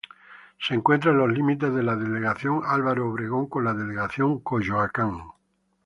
Se encuentra en los límites de la delegación Álvaro Obregón con la delegación Coyoacán.